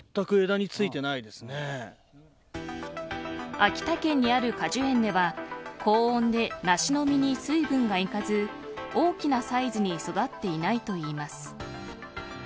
秋田県にある果樹園では高温で、梨の実に水分がいかず大きなサイズに育っていないといいます。